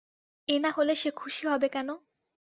এ না হলে সে খুশি হবে কেন?